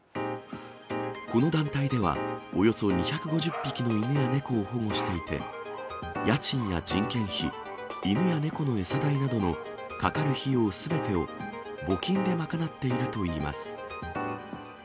この団体では、およそ２５０匹の犬や猫を保護していて、家賃や人件費、犬や猫の餌代などのかかる費用すべてを、募金で賄っているといいます。